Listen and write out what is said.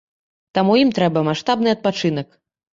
Таму ім трэба маштабны адпачынак.